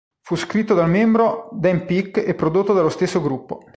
Fu scritto dal membro Dan Peek e prodotto dallo stesso gruppo.